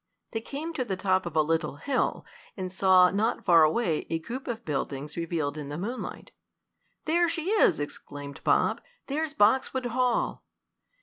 They came to the top of a little hill, and saw, not far away, a group of buildings revealed in the moonlight. "There she is!" exclaimed Bob. "There's Boxwood Hall!"